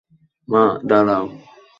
মা, দাঁড়াও।